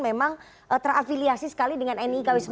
memang terafiliasi sekali dengan nikw sembilan